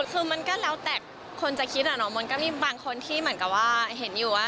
คือมันก็แล้วแตกคนจะคิดอะเนอะมันก็มีบางคนที่เห็นอยู่ว่า